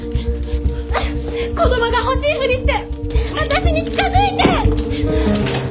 子供が欲しいふりして私に近づいて！